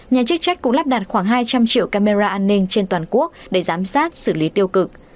nhà chức trách cũng lắp đặt khoảng hai trăm linh triệu camera an ninh trên toàn quốc để giám sát xử lý tiêu cực